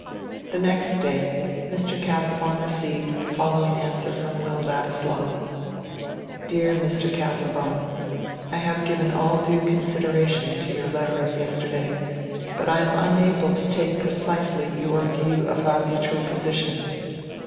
The next day, Mr. Casaubon received the following answer from Will Ladislaw:— "DEAR MR. CASAUBON,—I have given all due consideration to your letter of yesterday, but I am unable to take precisely your view of our mutual position.